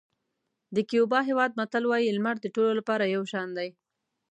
د کیوبا هېواد متل وایي لمر د ټولو لپاره یو شان دی.